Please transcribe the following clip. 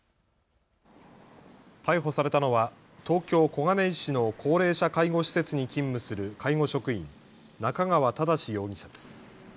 逮捕されたのは東京小金井市の高齢者介護施設に勤務する介護職員、中川忠容疑者です。